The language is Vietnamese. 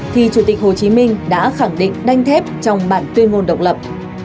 thì chủ tịch hồ chí minh đã khẳng định đanh thép trong bản tuyên ngôn độc lập